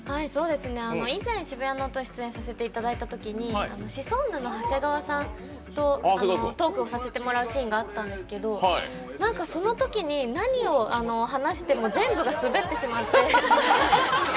以前「シブヤノオト」出演させてもらったときにシソンヌの長谷川さんとトークをさせてもらうシーンがあったんですけどそのときに、何を話しても、全部がスベってしまって。